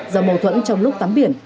do mâu thuẫn trong lúc tắm biển